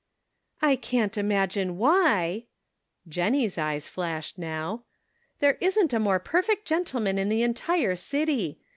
"I can't imagine why" — Jennie's eyes flashed now —" there isn't a more perfect gentleman in the entire city.